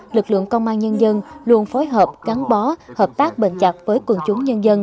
lực lượng công an nhân dân luôn phối hợp gắn bó hợp tác bền chặt với quần chúng nhân dân